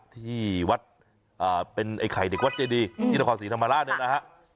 ที่วัดเป็นไอ้ไข่เด็กวัดเจดีที่นครศรีธรรมราชเนี่ยนะฮะ